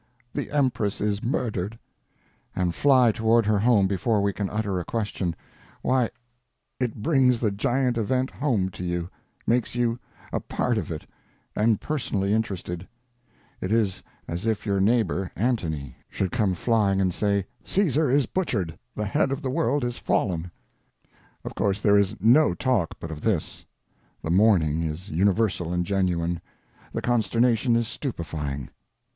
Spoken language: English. the Empress is murdered,' and fly toward her home before we can utter a question—why, it brings the giant event home to you, makes you a part of it and personally interested; it is as if your neighbor, Antony, should come flying and say, 'Caesar is butchered—the head of the world is fallen!' "Of course there is no talk but of this. The mourning is universal and genuine, the consternation is stupefying.